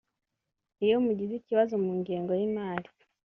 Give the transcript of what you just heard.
iyo mugize ikibazo mu ngengo y’imari